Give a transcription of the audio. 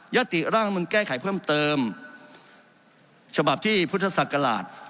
ติร่างมันแก้ไขเพิ่มเติมฉบับที่พุทธศักราช